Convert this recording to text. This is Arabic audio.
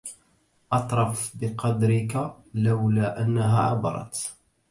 أطرف بقدرك لولا أنها عبرت